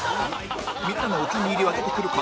みんなのお気に入りは出てくるかな？